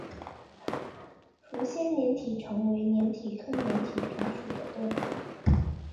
抚仙粘体虫为粘体科粘体虫属的动物。